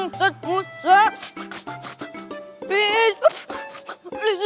tak tak matahika